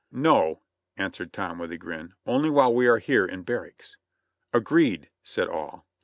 "No," answered Tom with a grin, "only while we are here in barracks." "Agreed," said all.